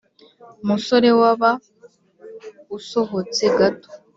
musore waba usohotse gato"